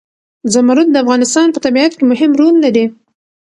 زمرد د افغانستان په طبیعت کې مهم رول لري.